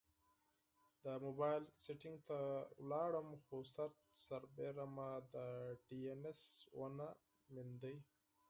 د مبایل سیټینګ ته لاړم، خو سرچ سربیره مې ډي این ایس ونه موند